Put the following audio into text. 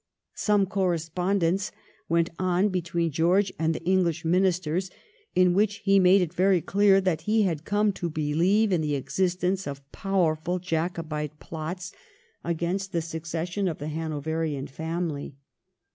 Some correspondence went on between George and the English Ministers, in which he made it very clear that he had come to beheve in the existence of powerful Jacobite plots against the succession of the Hanoverian family.